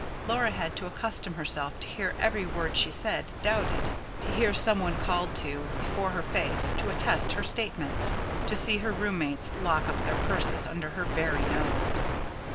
Laura had to accustom herself to hear every word she said doubted; to hear some one called to, before her face, to attest her statements; to see her room mates lock up their purses under her very nose.